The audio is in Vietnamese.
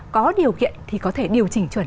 có điều kiện thì có thể điều chỉnh chuẩn